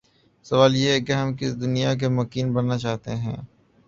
سوال یہ ہے کہ ہم کس دنیا کے مکین بننا چاہتے ہیں؟